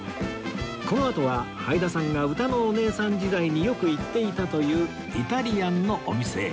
このあとははいださんがうたのおねえさん時代によく行っていたというイタリアンのお店へ